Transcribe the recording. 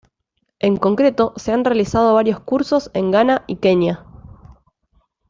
En concreto, se han realizado varios cursos en Ghana y Kenia.